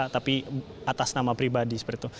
tapi atas nama pribadi seperti itu